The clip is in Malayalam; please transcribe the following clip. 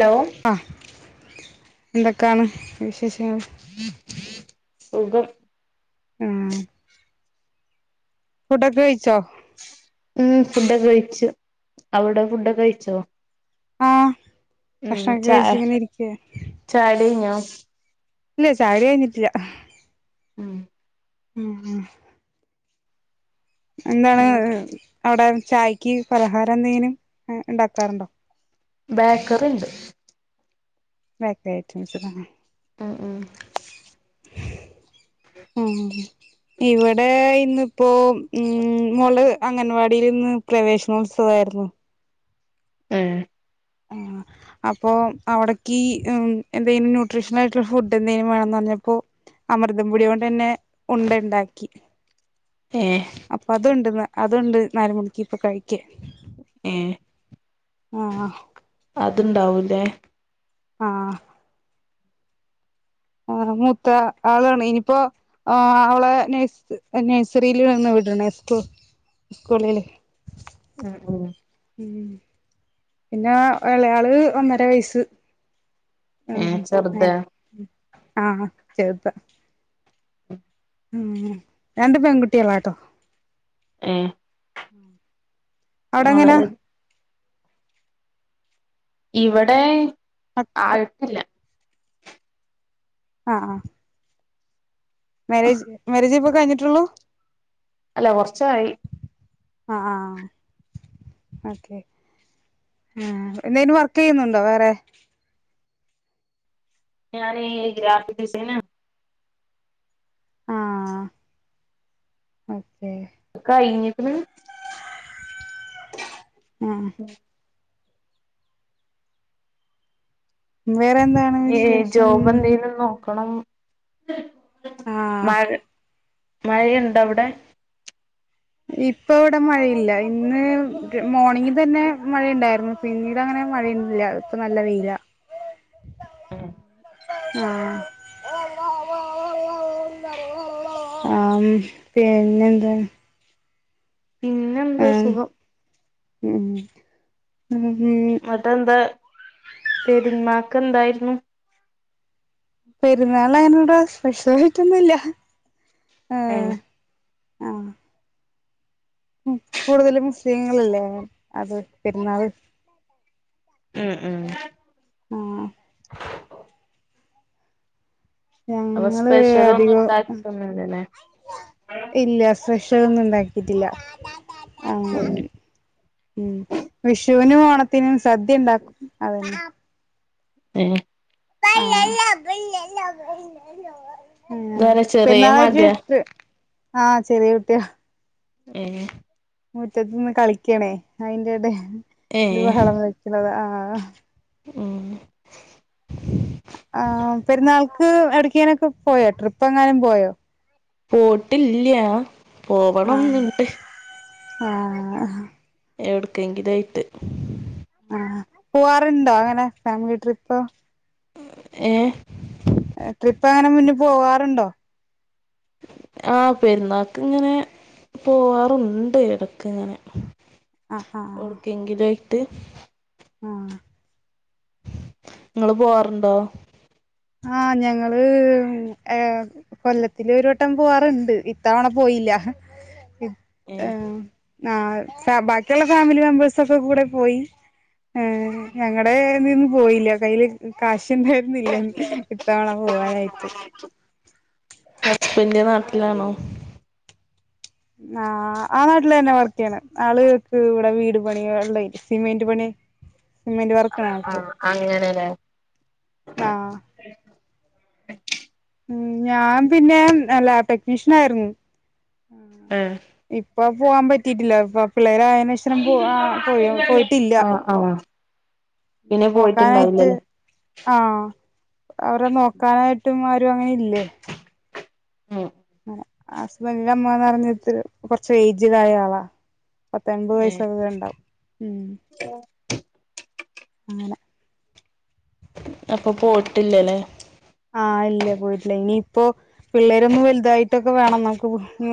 ലോ ആഹ് എന്തൊക്കാണ് വിശേഷം ഏഹ് സുഖം ആഹ് ഫുഡൊക്കെ കഴിച്ചോ ഉം ഫുഡൊക്കെ കഴിച്ചു അവടെ ഫുഡൊക്കെ കഴിച്ചോ ആ ഉം ഭക്ഷണൊക്കെ ചായ കഴിച്ച് ഇങ്ങനെ ഇരിക്കാ ചായുടി [unintelligible] ഇല്ല ചായ കുടി കഴിഞ്ഞിട്ടില്ല ഉം ഉം ഉം എന്താണ് ഏഹ് അവിടെ ചായക്ക് പലഹാരം എന്തെങ്കിലും ഉണ്ടാക്കാറുണ്ടോ? ബേക്കറി ഉണ്ട് ബേക്കറി ഐറ്റംസ് [unintelligible] മ്മ് മ്മ് മ്മ് മ്മ് ഇവിടെ ഇന്ന് ഇപ്പൊ മ്മ് മുള് അംഗൻവാടിയിൽ ഇന്ന് പ്രേവേശനോത്സവം ആയിരുന്നു ഏ ആ അപ്പൊ അവിടേക്ക് എന്തെങ്കിലും ന്യൂട്രീഷൻ ആയിട്ടുള്ള ഫുഡ്‌ എന്തെങ്കിലും വേണം എന്ന് പറഞ്ഞപ്പോൾ അമൃതം പൊടി കൊണ്ട് തന്നെ ഫുഡ് ഉണ്ടാക്കി ഏഹ് അപ്പൊ അത് ഉണ്ട് ഇന്ന് അത് ഉണ്ട് നാല് മണിക്ക് ഇപ്പൊ കഴിക്കാൻ ക്ക് ഏഹ് ആഹ് ആ ഉണ്ടാവും ല്ലേ ആ ആ മൂത്ത ആൾ ആള് ഇനി ഇപ്പൊ അവളെ നേഴ്‌സറിയിൽ ആണ് വിടുന്നത് ഇപ്പൊ സ്കൂളിൽ ആഹ് മ്മ് പിന്നെ എളയ ആള് ഒന്നര വയസ്സ് ആ ഏഹ് ഹും ചെറുതാ അങ്ങനെ ആ ഹ ചേർത്ത [inaudible] മ്മ് രണ്ട് പെൺകുട്ടികളാ ട്ടോ ഏ അവിടെ ഇങ്ങനയാ ഇവിടെ- ആഹ് ആയിട്ടില്ല അഹ് ആഹ് മരേജ് മരേജിപ്പോ- ഇപ്പ കഴിഞ്ഞിട്ടുള്ളു അല്ല കൊറച്ചായി അഹ്ആഹ് ഓക്കെ മ്മ് എന്തേലും വർക്ക്‌ ചെയ്യ്ന്ന്ണ്ടോ വേറെ ഞാനെ ഗ്രാഫിക്ക് ഡിസൈനറാ ആഹ് ഓക്കേ കഴിഞ്ഞേക്കിണു ആ ഹ് വേറെന്താണ് വിശേഷം ക്കണം ആഹ് മഴ മഴയ്ണ്ടവിടെ ഇപ്പവിടെ മഴ ഇല്ല ഇന്ന് ഗ് മോർണിംഗ് തന്നെ മഴയ്ണ്ടാര്ന്നു പിന്നീടങ്ങനെ മഴയൊന്നുല്ല ഇപ്പ നല്ല വെയില അഹ് ആഹ്മ് പീന്നെന്താ പിന്നെന്താ സുഖം മ്മ് അതെന്ത പെരുന്ന ക്കെന്തായ്രുന്നു പെരുന്നാളായിണ്ട്ര സ്‌പെഷ്യലായിട്ടൊന്നുല്ല ആഹ് ഏഹ് ആഹ് കൂടുതലും മുസ്ലിങ്ങളല്ലേ അത് പെരുന്നാള് ഹ്മ് മ്മ് ആഹ് അപ്പൊ ഞങ്ങള് സ്പെഷ്യൽ ഒന്നും അധികം ഉണ്ടാക്കിട്ടൊന്നുല്ലല്ലേ ഇല്ല സ്പെഷ്യലൊന്നുംണ്ടാ‌ക്കി കിറ്റില്ല ഉം അഹ്മ് ഋഷ് [unintelligible] വനുമോണത്തിനും സദ്യയ്ണ്ടാക്കും അതന്നെ ഏഹ് ആ ഇതാരാ ചെറിയ മജെ ആഹ് ചെറിയ കുട്ടിയാ ഏഹ് മുറ്റത്തുന്ന് കളിക്കാണേ അയിന്റെടെ ല് ഏഹ് ബഹളം വെക്ണതാ ആഹ് ആഹ് ഉം ആഹ് പെരുന്നാൾക്ക് എടക്കിങ്നൊക്കെ പോയോ ട്രിപ്പ് എങ്ങാനും പോയോ പോട്ടില്ല്യാ പോവണം ന്ന്ണ്ട് ആഹ് എവിട്ക്കെങ്കിലായിട്ട് ആഹ് പോവാറുണ്ടോ അങ്ങനെ ഫാമിലി ട്രിപ്പ്‌ ഏഹ് ട്രിപ്പ് അങ്ങനെ മുന്ന് പോവാറുണ്ടോ ആഹ് പെരുന്നാക്ക് ഇങ്ങനെ പോവാറുണ്ട് ഇടക്ക് ഇങ്ങനെ ആഹ് ആഹ് ഒട്ക്കെങ്കിലെ ട്ട് ആഹ് നിങ്ങള് പോവാറുണ്ടോ ആ ഞങ്ങൾ ഏ കൊല്ലത്തില് ഒരു വട്ടം പോവാറെണ്ട് ഇത്തവണ പോയില്ല ഏ ഏഹ് ആ ബാ ബാക്കിയുള്ള ഫാമിലി മെമ്പേഴ്‌സൊക്കെ കൂടെ പോയി ആ ഞങ്ങടെന്ന് പോയില്ല കൈൽ കാശ് ഇണ്ടായിരിന്നില്ല ഇത്തവണ പോവാനായിട്ട് പിന്നെ നട ലാണോ ആഹ് ആ നാട്ടില് തന്നെ വർക്ക് ചെയ്യണെ ആള്ക്ക് ഇവിടെ വീട് പണിയെള്ളെ സിമിന്റ് പണി സിമെന്റ് വർക്കാണ് ആൾക്ക് ആഹ് അങ്ങനെല്ലേ ആഹ് ഉം ഞാൻ പിന്നെ ലാബ് ടെക്നീഷ്യൻ ആയിരുന്നു ആഹ് ഇപ്പൊ പോവാൻ പറ്റിയിട്ടില്ല ഇപ്പ പിള്ളേരയെനേശം പോവാ ആഹ് പോയൊ പോയ്ട്ടില്ല ആഹ് ആഹ് പിന്നെ നോക്കാനായിട്ട് പോയിട്ടുണ്ടാവില്ലല്ലേ ആഹ് അവരെ നോക്കാനായിട്ടും ആരും അങ്ങനെ ഇല്ലേ ഉം ഹസ്ബൻഡിന്റെ അമ്മാന്ന് പറഞ്ഞിട്ട് കൊറച്ച് ഏജിഡായ ആളാ പത്തൻപത് ഏ വയസ്സക്ക എണ്ടാകും ഉം അങ്ങനെ അപ്പൊ പോട്ടില്ലല്ലെ ആഹ് ഇല്ല പോയ്ട്ടില്ലേ ഇനി ഇപ്പോ പിള്ളേരൊന്ന് വലുതായിട്ടൊക്കെ വേണം നമുക്ക് [unintelligible]